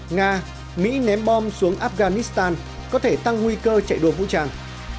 nga mỹ ném bom xuống afghanistan có thể tăng nguy cơ chạy đua vũ trang